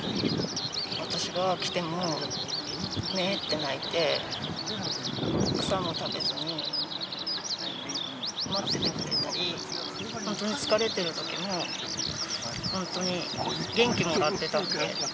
私が来ても、めぇーって鳴いて、草も食べずに待っててくれたり、本当に疲れてるときも、本当に元気もらってたんで。